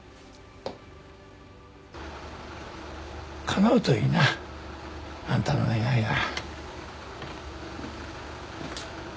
かなうといいなあんたの願いが。